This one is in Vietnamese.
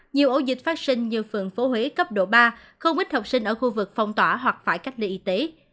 nhiều ổ dịch phát sinh như phường phố huế cấp độ ba không ít học sinh ở khu vực phong tỏa hoặc phải cách ly y tế